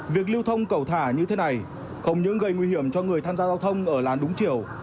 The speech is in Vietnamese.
việc lưu thông cầu thả như thế này không những gây nguy hiểm cho người tham gia giao thông ở làn đúng chiều